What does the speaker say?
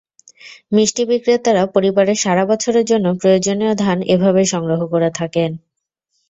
মিষ্টি বিক্রেতারা পরিবারের সারা বছরের জন্য প্রয়োজনীয় ধান এভাবেই সংগ্রহ করে থাকেন।